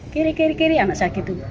kiri kiri kiri anak saya gitu